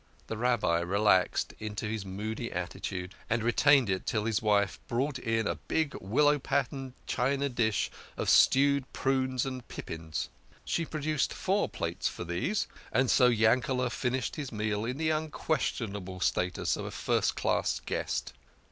The Rabbi relapsed into his moody attitude, and retained it till his wife brought in a big willow pattern china dish of stewed prunes and pippins. She produced four plates for these, and so Yankele" finished W i his meal in the unquestion \ able status of a first class guest.